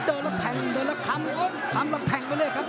เดินแล้วแทงเดินแล้วทำทำแล้วแทงไปเลยครับ